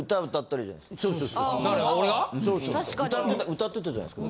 歌ってたじゃないですか。